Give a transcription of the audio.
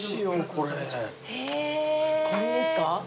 ・これですか？